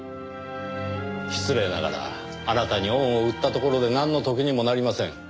失礼ながらあなたに恩を売ったところでなんの得にもなりません。